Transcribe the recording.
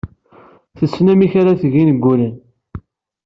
Tessen amek ara d-teg ingulen.